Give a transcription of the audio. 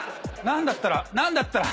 何だったら何だったら。